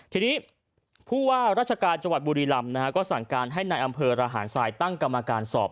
ทีนี้ผู้ว่าราชการจังหวัดบุรีรำนะฮะก็สั่งการให้ในอำเภอระหารทรายตั้งกรรมการสอบ